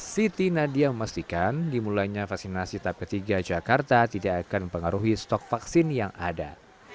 karena dia memastikan dimulainya vaksinasi tahap ketiga jakarta tidak akan mengaruhi stok vaksin yang ada